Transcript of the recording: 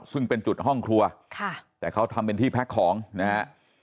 ซึ่งเป็นจุดห้องครัวค่ะแต่เขาทำเป็นที่แพ็คของนะฮะ